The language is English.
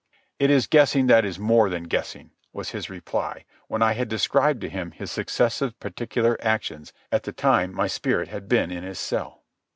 "It is guessing that is more than guessing," was his reply, when I had described to him his successive particular actions at the time my spirit had been in his cell.